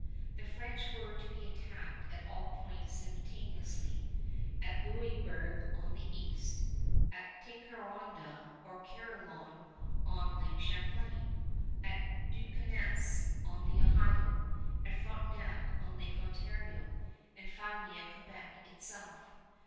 The French were to be attacked at all points simultaneously, at Louisburg on the east, at Ticonderoga or Carillon on Lake Champlain, at Duquesne on the Ohio, at Frontenac on Lake Ontario, and finally at Quebec itself.